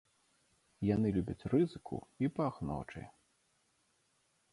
Яны любяць рызыку і пах ночы.